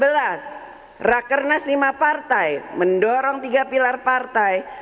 sebelas rakyat kernas lima partai mendorong tiga pilar partai